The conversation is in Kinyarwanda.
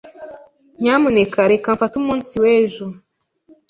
Nyamuneka reka mfate umunsi w'ejo.